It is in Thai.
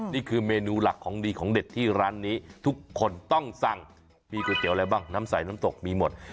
นี่คือเมนูหลักของดีของเด็ดที่ร้านนี้ทุกคนต้องสั่งมีก๋วยเตี๋ยวอะไรบ้างน้ำใสน้ำตกมีหมด